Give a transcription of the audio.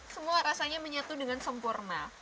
semua rasanya menyatu dengan sempurna